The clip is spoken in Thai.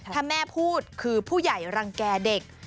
ถ้าแม่พูดคือผู้ใหญ่รังแก่เด็ก